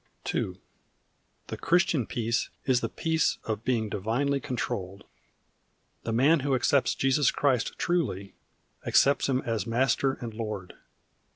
II. The Christian peace is the peace of being divinely controlled. The man who accepts Jesus Christ truly, accepts Him as Master and Lord.